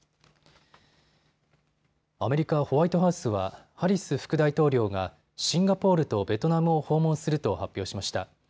アメリカ、ホワイトハウスはハリス副大統領がシンガポールとベトナムを訪問すると発表しました。